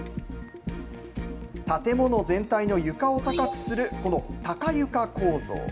建物全体の床を高くするこの高床構造。